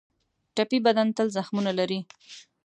ټپي بدن تل زخمونه لري.